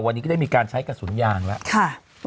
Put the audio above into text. วันนี้ก็ได้มีการใช้กระสุนยางแล้ว